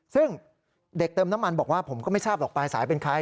ซึ่งเด็กเติมน้ำมันบอกว่าผมก็ไม่ทราบหรอกปลายสายเป็นใคร